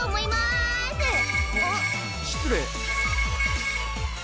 しつれい。